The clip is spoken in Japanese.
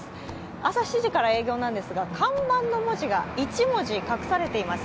朝７時から営業なんですが、看板の文字が１文字隠されています。